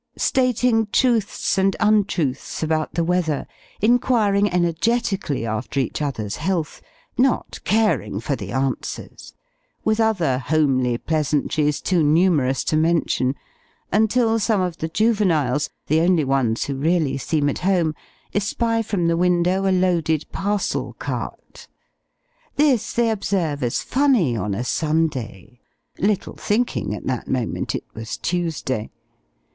stating truths and untruths about the weather; inquiring energetically after each other's health not caring for the answers; with other homely pleasantries, too numerous to mention; until some of the juveniles the only ones who really seem at home espy from the window a loaded parcel cart; this they observe as funny on a Sunday (little thinking, at that moment, it was Tuesday).